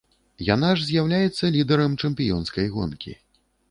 Яна ж з'яўляецца лідэрам чэмпіёнскай гонкі.